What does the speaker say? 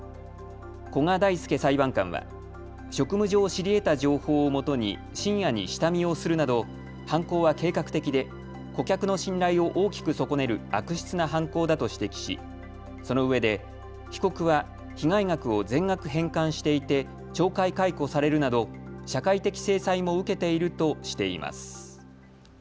古賀大督裁判官は職務上知りえた情報をもとに深夜に下見をするなど犯行は計画的で顧客の信頼を大きく損ねる悪質な犯行だと指摘し、そのうえで被告は被害額を全額返還していて懲戒解雇されるなど社会的制裁も受けているとしています。